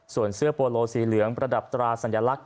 ส่วนเสื้อโปโลสีเหลืองประดับตราสัญลักษณ